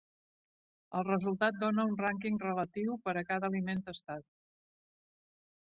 El resultat dóna un rànquing relatiu per a cada aliment testat.